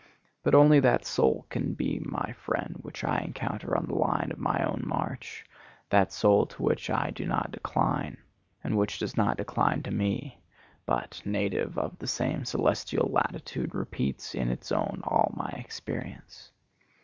But only that soul can be my friend which I encounter on the line of my own march, that soul to which I do not decline and which does not decline to me, but, native of the same celestial latitude, repeats in its own all my experience.